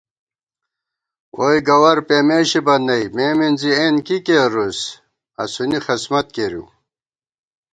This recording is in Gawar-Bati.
ووئی گوَر پېمېشِبہ نئ، مے مِنزِی اېن کی کېرُوس ، اسُونی خسمت کېرِؤ